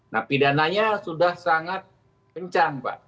nah pidana nya sudah sangat kencang pak